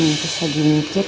hmm bisa dimikir